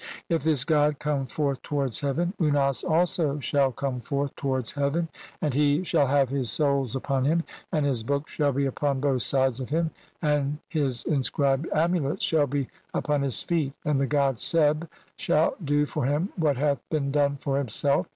If this god come forth towards heaven, 'Unas also shall come forth towards heaven ; and he 'shall have his souls upon him, and his books shall be 'upon both sides of him, and his inscribed amulets 'shall be upon his feet, and the god Seb shall do 'for him what hath been done for himself.